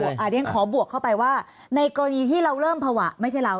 เอาเดี๋ยวนี้ขอบวกมาเข้าไปว่าในปกติที่เราเริ่มภวะไม่ใช่เรา